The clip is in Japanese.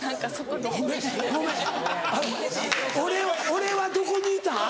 俺はどこにいた？